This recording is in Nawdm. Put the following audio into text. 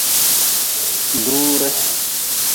Duure.